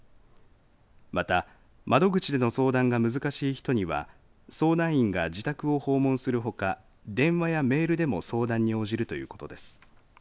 また窓口での相談が難しい人には相談員が自宅を訪問するほか電話やメールでも相談に応じるということです。